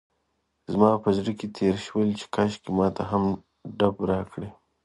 زما په زړه کې تېر شول چې کاشکې ماته هم ډب راکړي.